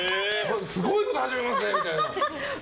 すごいこと始めますねみたいな。